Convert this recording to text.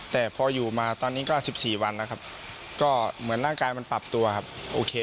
แต่พออยู่มาตอนนี้ก็๑๔วันแล้วครับก็เหมือนร่างกายมันปรับตัวครับโอเค